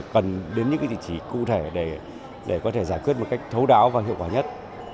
cần đến những địa chỉ cụ thể để có thể giải quyết một cách thấu đáo và hiệu quả nhất